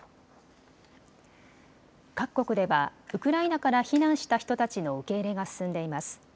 各国ではウクライナから避難した人たちの受け入れが進んでいます。